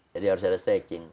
jadi harus ada stretching